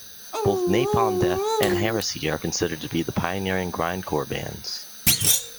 Both Napalm Death and Heresy are considered to be pioneering grindcore bands.